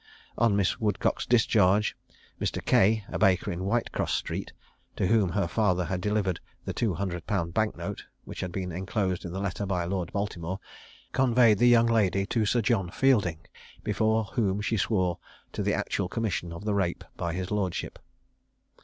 On Miss Woodcock's discharge, Mr. Cay, a baker in Whitecross street (to whom her father had delivered the two hundred pound bank note which had been enclosed in the letter by Lord Baltimore), conveyed the young lady to Sir John Fielding, before whom she swore to the actual commission of the rape by his lordship.